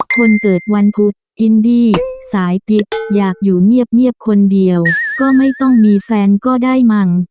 คนเกิดวันพุธอินดี้สายพิษอยากอยู่เงียบคนเดียวก็ไม่ต้องมีแฟนก็ได้มั้ง